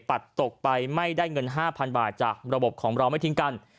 ตัดตกไปไม่ได้เงิน๕๐๐๐บาทจากระบบของเราไม่ทิ้งกัน